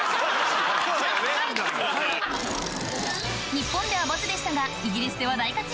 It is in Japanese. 日本ではボツでしたがイギリスでは大活躍